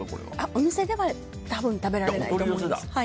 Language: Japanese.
お店では多分食べられないです。